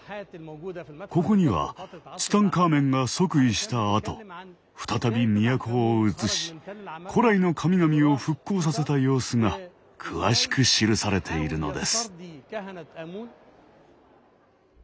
ここにはツタンカーメンが即位したあと再び都をうつし古来の神々を復興させた様子が詳しく記されているのです。